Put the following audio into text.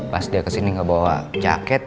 pas dia kesini gak bawa jaket